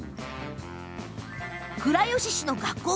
倉吉市の学校